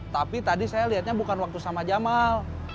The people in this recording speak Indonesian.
tapi tadi saya lihatnya bukan waktu sama jamal